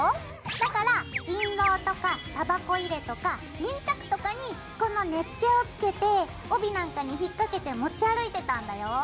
だから印籠とかたばこ入れとか巾着とかにこの根付を付けて帯なんかに引っ掛けて持ち歩いてたんだよ！